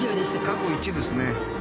過去一ですね。